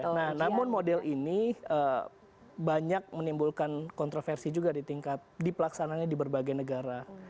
nah namun model ini banyak menimbulkan kontroversi juga di tingkat di pelaksananya di berbagai negara